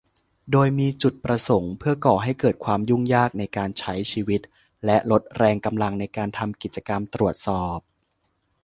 โดยมีจุดประสงค์เพื่อก่อให้เกิดความยุ่งยากในการใช้ชีวิต และลดแรงกำลังในการทำกิจกรรมตรวจสอบ